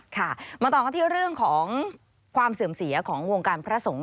ค่ะมาต่อกันที่เรื่องของความเสื่อมเสียของวงการพระสงฆ์